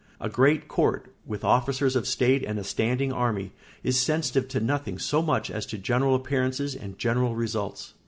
A great court, with officers of state and a standing army, is sensitive to nothing so much as to general appearances and general results.